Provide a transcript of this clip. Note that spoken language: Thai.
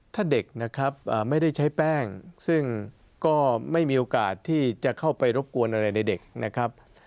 ถ้าเด็กนะครับไม่ได้ใช้แป้งซึ่งก็ไม่มีโอกาสที่จะเข้าไปรบกวนอะไรในเด็กนะครับ